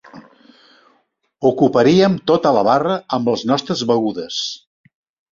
Ocuparíem tota la barra amb les nostres begudes.